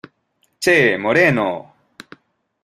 ¡ che, moreno!...